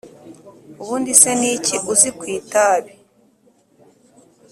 Ubundi se ni iki uzi ku itabi